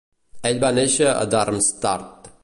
Ell va néixer a Darmstadt.